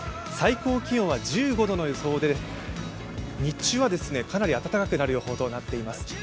最高気温は１５度の予想で日中はかなり暖かくなる予報となっています。